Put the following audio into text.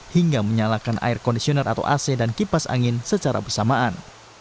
hingga menyalakan air kondisioner atau ac dan kipas angin secara bersamaan